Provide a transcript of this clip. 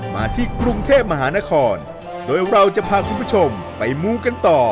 มาที่กรุงเทพมหานครโดยเราจะพาคุณผู้ชมไปมูกันต่อ